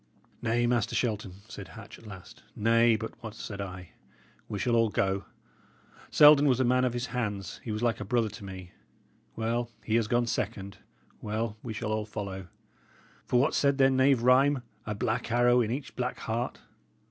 "Nay, Master Shelton," said Hatch, at last "nay, but what said I? We shall all go. Selden was a man of his hands; he was like a brother to me. Well, he has gone second; well, we shall all follow! For what said their knave rhyme? 'A black arrow in each black heart.'